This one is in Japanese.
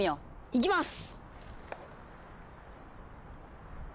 いきます！